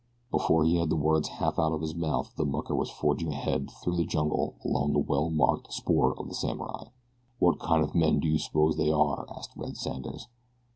Before he had the words half out of his mouth the mucker was forging ahead through the jungle along the well marked spoor of the samurai. "Wot kind of men do you suppose they are?" asked Red Sanders.